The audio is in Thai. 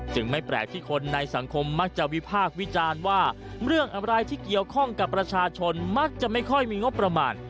ไม่แปลกที่คนในสังคมมักจะวิพากษ์วิจารณ์ว่าเรื่องอะไรที่เกี่ยวข้องกับประชาชนมักจะไม่ค่อยมีงบประมาณ